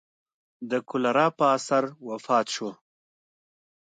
د کولرا په اثر وفات شو.